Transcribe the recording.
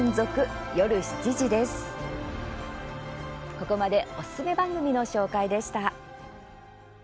ここまでおすすめ番組の紹介でした。